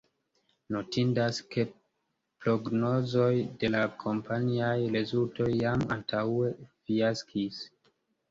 Notindas, ke prognozoj de la kompaniaj rezultoj jam antaŭe fiaskis.